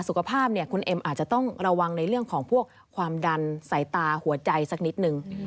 สุขภาพเนี่ยคุณเอ็มอาจจะต้องระวังในเรื่องของพวกความดันสายตาหัวใจสักนิดนึง